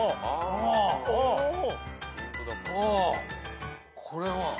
あこれは。